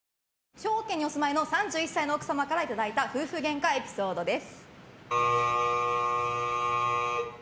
兵庫県にお住まいの３１歳の奥さまから頂いた夫婦ゲンカエピソードです。